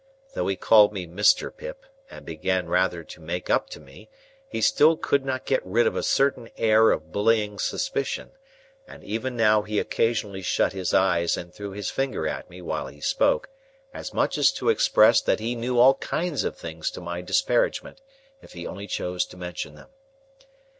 Though he called me Mr. Pip, and began rather to make up to me, he still could not get rid of a certain air of bullying suspicion; and even now he occasionally shut his eyes and threw his finger at me while he spoke, as much as to express that he knew all kinds of things to my disparagement, if he only chose to mention them.